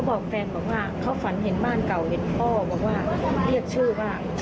บอกแฟนบอกว่าเขาฝันเห็นบ้านเก่าเห็นพ่อบอกว่าเรียกชื่อว่า